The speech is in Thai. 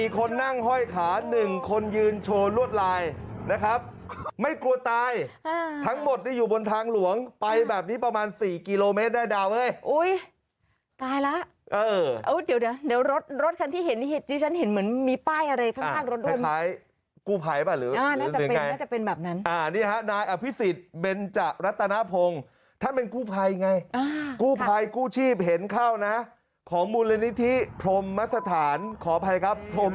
๔คนนั่งห้อยขา๑คนยืนโชว์ลวดลายนะครับไม่กลัวตายทั้งหมดที่อยู่บนทางหลวงไปแบบนี้ประมาณ๔กิโลเมตรได้ดาวเอ้ยอุ้ยตายล่ะเออเออเออเดี๋ยวเดี๋ยวรถรถที่เห็นที่ฉันเห็นเหมือนมีป้ายอะไรข้างข้างรถโอ้มคล้ายกู้ไพป่ะหรือน่าจะเป